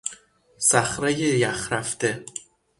صخرهی یخرفته